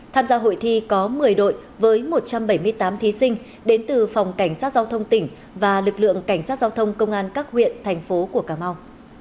tham gia hội thi có một mươi đội với một trăm bảy mươi tám thí sinh đến từ phòng cảnh sát giao thông tỉnh và lực lượng cảnh sát giao thông công an các huyện thành phố của cà mau